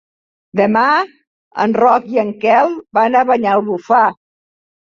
Demà en Roc i en Quel van a Banyalbufar.